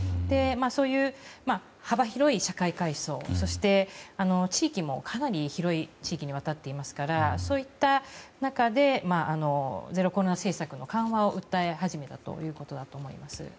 そういう幅広い社会階層そして、地域もかなり広い地域にわたっていますからそういった中でゼロコロナ政策の緩和を訴え始めたということだと思います。